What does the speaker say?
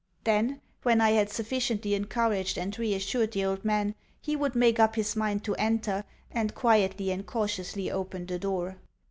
Then, when I had sufficiently encouraged and reassured the old man, he would make up his mind to enter, and quietly and cautiously open the door.